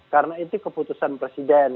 karena itu keputusan presiden